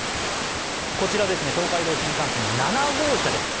こちら、東海道新幹線の７号車です。